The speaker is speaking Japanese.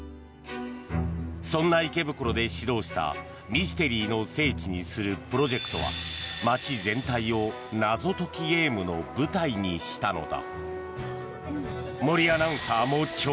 そんな池袋で始動したミステリーの聖地にするプロジェクトは街全体を謎解きゲームの舞台にしたのだ。